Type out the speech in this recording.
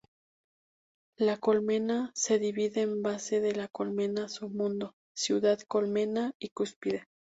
La "colmena" se divide en "base de la colmena", "submundo", "ciudad colmena" y "cúspide".